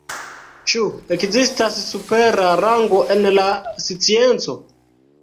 Ĉu ekzistas supera rango en la scienco?